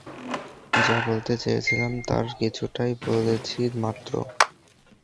যা বলতে চেয়েছিলাম, তার কিছুটা বলেছি মাত্র।